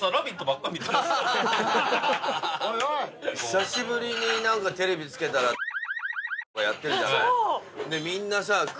久しぶりにテレビつけたらやってんじゃない。